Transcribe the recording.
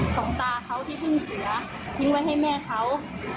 ของตาเค้าที่พึ่งเสียทิ้งไว้ให้แม่เค้า